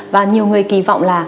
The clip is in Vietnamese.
và nhiều người kỳ vọng là